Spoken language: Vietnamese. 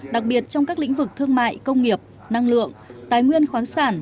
đặc biệt trong các lĩnh vực thương mại công nghiệp năng lượng tài nguyên khoáng sản